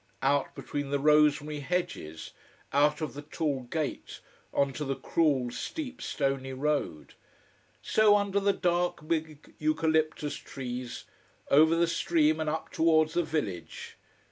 Out between the rosemary hedges, out of the tall gate, on to the cruel steep stony road. So under the dark, big eucalyptus trees, over the stream, and up towards the village.